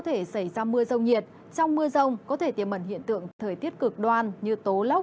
thể xảy ra mưa rông nhiệt trong mưa rông có thể tiềm mẩn hiện tượng thời tiết cực đoan như tố lốc